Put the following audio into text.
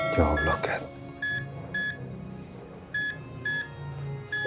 dia satu milik mereka berdua